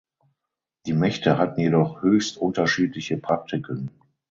Die Mächte hatten jedoch höchst unterschiedliche Praktiken.